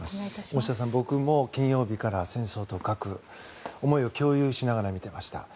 大下さん、僕も金曜日から戦争と核思いを共有しながら見ていました。